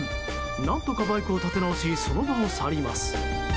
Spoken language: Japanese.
何とかバイクを立て直しその場を去ります。